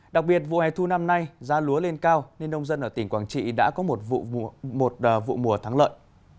đặc biệt vụ hè thu năm nay giá lúa lên cao nên nông dân ở tỉnh quảng trị đã có một vụ mùa thắng lợi